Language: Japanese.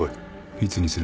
いつにする？